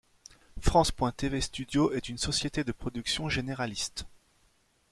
France.tv studio est une société de production généraliste.